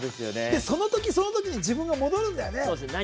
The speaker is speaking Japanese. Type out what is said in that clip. そのときそのときに自分が戻るんだよね。